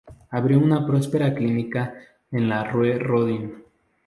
Abrió una próspera clínica en la rue Rodin.